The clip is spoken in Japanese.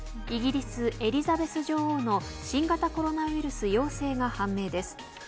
イギリス、エリザベス女王の新型コロナウイルス陽性が判明です。